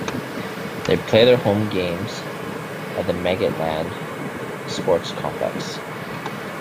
They play their home games at the Meggetland Sports Complex.